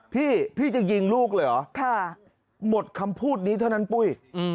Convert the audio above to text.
พี่พี่จะยิงลูกเลยเหรอหมดคำพูดนี้เท่านั้นปุ้ย